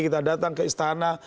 kita datang ke istana